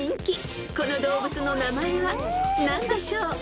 ［この動物の名前は何でしょう］